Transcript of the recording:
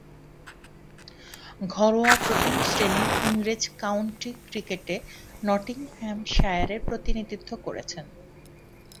ঘরোয়া প্রথম-শ্রেণীর ইংরেজ কাউন্টি ক্রিকেটে নটিংহ্যামশায়ারের প্রতিনিধিত্ব করেছেন।